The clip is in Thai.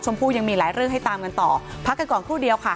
ผู้ยังมีหลายเรื่องให้ตามกันต่อพักกันก่อนครู่เดียวค่ะ